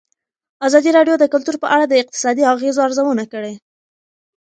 ازادي راډیو د کلتور په اړه د اقتصادي اغېزو ارزونه کړې.